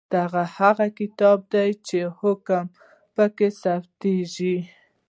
دا هغه کتاب دی چې احکام پکې ثبتیږي.